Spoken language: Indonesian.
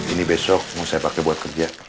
ini besok mau saya pakai buat kerja